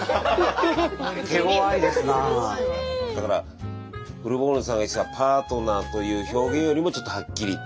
だからブルボンヌさんが言ってたパートナーという表現よりもちょっとはっきりと。